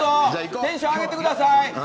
テンション上げてください！